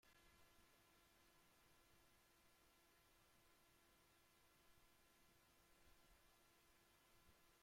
Sobre la creación o fundación de San Marcos no existen fuentes escritas.